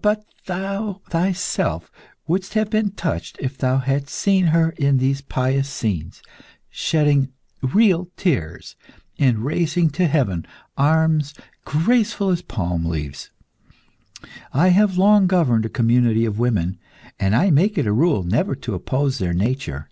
But thou thyself wouldest have been touched if thou hadst seen her in these pious scenes, shedding real tears, and raising to heaven arms graceful as palm leaves. I have long governed a community of women, and I make it a rule never to oppose their nature.